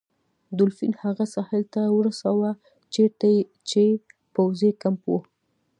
دولفین هغه ساحل ته ورساوه چیرته چې پوځي کمپ و.